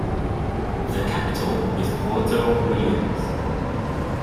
The capital is Puerto Williams.